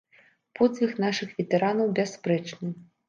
Подзвіг нашых ветэранаў бясспрэчны.